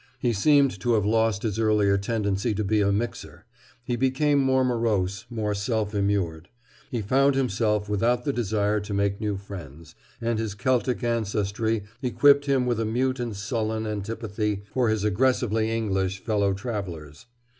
He seemed to have lost his earlier tendency to be a "mixer." He became more morose, more self immured. He found himself without the desire to make new friends, and his Celtic ancestry equipped him with a mute and sullen antipathy for his aggressively English fellow travelers.